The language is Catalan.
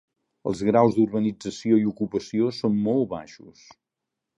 Els graus d'urbanització i ocupació són molt baixos.